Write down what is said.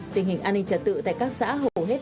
tình hình an ninh trật tự tại các xã hầu hết